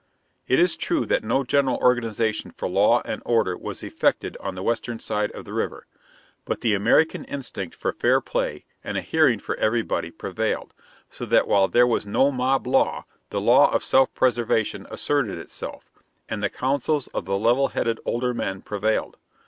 It is true that no general organization for law and order was effected on the western side of the river. But the American instinct for fair play and a hearing for everybody prevailed, so that while there was no mob law, the law of self preservation asserted itself, and the counsels of the level headed older men prevailed.